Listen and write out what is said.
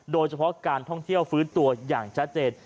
โดยเฉพาะการท่องเที่ยวฟื้นตัวอย่างชัดเจน